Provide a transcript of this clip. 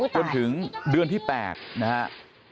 จนถึงเดือนที่๘นะครับ